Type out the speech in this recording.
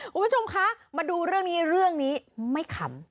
คุณผู้ชมคะมาดูเรื่องนี้เรื่องนี้ไม่ขำ